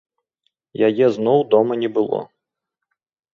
Яе зноў дома не было.